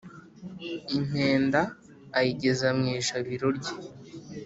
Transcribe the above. impenda ayigeza mu ijabiro rye.